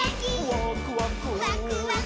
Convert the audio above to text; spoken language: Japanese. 「ワクワク」ワクワク。